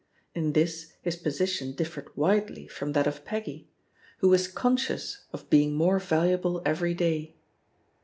In this, his position dif fered widely from tibat of Peggy, who was con scious of being more valuable every day.